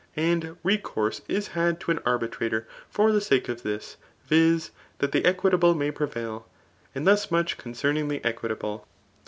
And jtecourse is had to an arbitrator for the sake of this, vis. that the equitable may prevail. And thus much con* ceming the equitable.